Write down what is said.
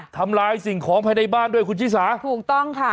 ทำลายสิ่งของภายในบ้านด้วยคุณชิสาถูกต้องค่ะ